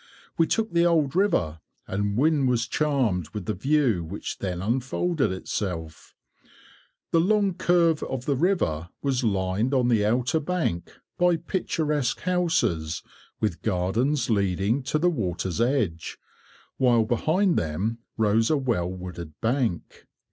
We took the old river, and Wynne was charmed with the view which then unfolded itself. The long curve of the river was lined on the outer bank by picturesque houses, with gardens leading to the water's edge, while behind them rose a well wooded bank.